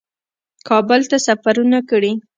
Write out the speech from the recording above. کابل ته سفرونه کړي